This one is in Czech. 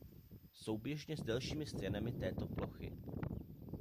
Souběžně s delšími stranami této plochy.